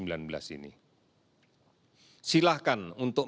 silahkan untuk mengakses informasi yang benar